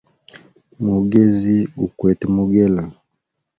Mugezi gu kwete mugela.